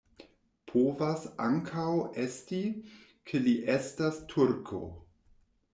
Povas ankaŭ esti, ke li estas turko.